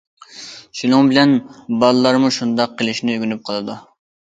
شۇنىڭ بىلەن بالىلارمۇ شۇنداق قىلىشنى ئۆگىنىپ قالىدۇ.